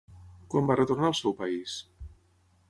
Quan va retornar al seu país?